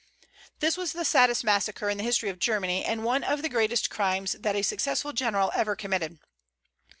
This was the saddest massacre in the history of Germany, and one of the greatest crimes that a successful general ever committed.